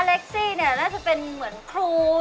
เล็กซี่เนี่ยน่าจะเป็นเหมือนครู